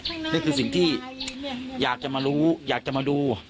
นี่คือสิ่งที่อยากจะมารู้อยากจะมาดู